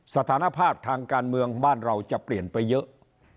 สถานภาพทางการเมืองบ้านเราจะเปลี่ยนไปเยอะ